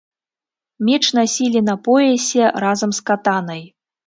Меч насілі на поясе разам з катанай.